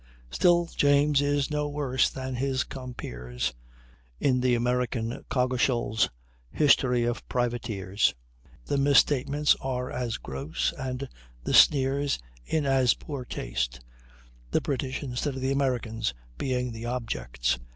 Still, James is no worse than his compeers. In the American Coggeshall's "History of Privateers," the misstatements are as gross and the sneers in as poor taste the British, instead of the Americans, being the objects.